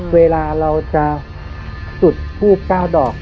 เวลาเราจะสุดภูปเก้าดอก